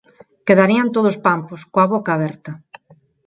Quedarían todos pampos, coa boca aberta.